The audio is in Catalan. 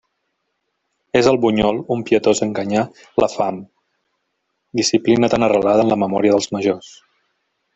És el bunyol un pietós enganyar la fam, disciplina tan arrelada en la memòria dels majors.